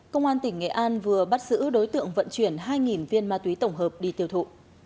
công an tỉnh nghệ an vừa bắt giữ đối tượng vận chuyển hai viên ma túy tổng hợp đi tiêu thụ